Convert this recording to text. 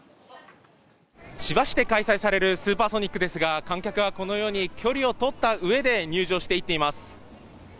千葉市で開催されるスーパーソニックですが、観客は距離をとった上で入場して行っています。